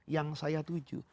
yang saya tuju